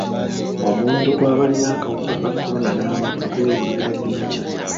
Omuwendo gw'abalina akawuka ka kolona n'abafa gweyongera buli lukya.